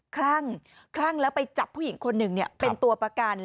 คลั่งแล้วไปจับผู้หญิงคนหนึ่งเป็นตัวประกัน